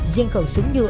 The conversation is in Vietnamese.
riêng khẩu súng nhựa